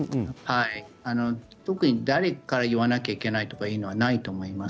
特に誰が言わなくてはいけないというのはないと思います。